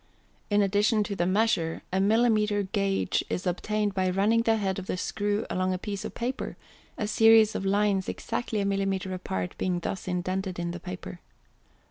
In addition to the measure a millimètre gauge is obtained by running the head of the screw along a piece of paper, a series of lines exactly a millimètre apart being thus indented in the paper.